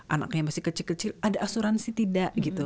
anaknya masih kecil kecil ada asuransi tidak gitu